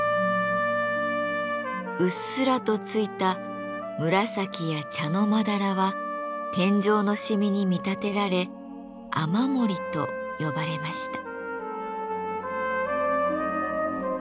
うっすらとついた紫や茶のまだらは天井の染みに見立てられ雨漏と呼ばれました。